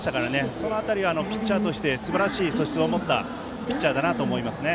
その辺りはすばらしい素質を持ったピッチャーだなと思いますね。